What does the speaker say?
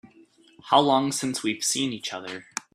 How long since we've seen each other?